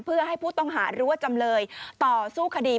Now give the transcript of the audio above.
เพื่อให้ผู้ต้องหาหรือว่าจำเลยต่อสู้คดี